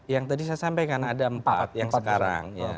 yang tadi saya sampaikan ada empat yang sekarang